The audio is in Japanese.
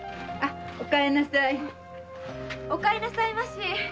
お帰りああなさいまし。